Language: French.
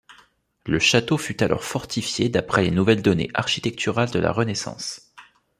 Le château fut alors fortifié d'après les nouvelles données architecturales de la Renaissance.